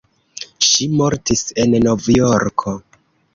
Ŝi mortis en Novjorko.